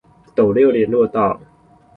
斗六聯絡道